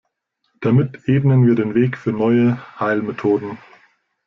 Damit ebnen wir den Weg für neue Heilmethoden.